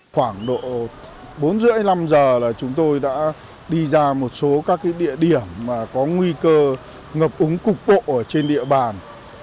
khoảng độ bốn h ba mươi năm h là chúng tôi đã đi ra một số các địa điểm có nguy cơ ngập ống cục bộ trên địa bàn